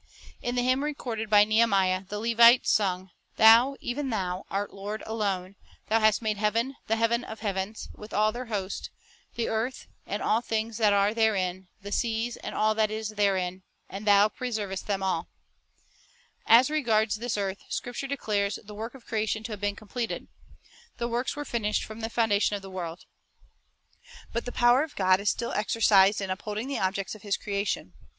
In the hymn recorded by Nehemiah, the Levites sung, "Thou, even Thou, art Lord alone; Thou hast made heaven, the heaven of heavens, with all their host, the earth, and all things that are therein, the seas, and all that is therein, and Thou preservest them all." 3 As regards this earth, Scripture declares the work of creation to have been completed. "The works were 1 Gen 1:27. Luke 3:3s. 8 Neh. 9:6. Science and the Bible 131 finished from the foundation of the world." 1 But the power of God is still exercised in upholding the objects of His creation.